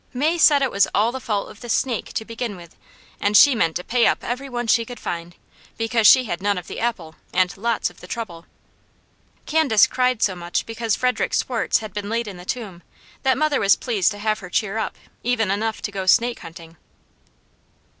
May said it was all the fault of the SNAKE to begin with, and she meant to pay up every one she could find, because she had none of the apple, and lots of the trouble. Candace cried so much because Frederick Swartz had been laid in the tomb, that mother was pleased to have her cheer up, even enough to go snake hunting.